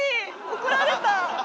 怒られた！